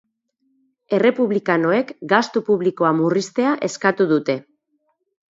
Errepublikanoek gastu publikoa murriztea eskatu dute.